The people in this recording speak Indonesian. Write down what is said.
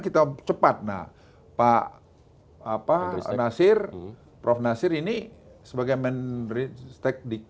kita cepat nah pak apa nasir prof nasir ini sebagai men stake dikti dia lihat eh suruh aja mahasiswa mahasiswa kita ini kerja praktis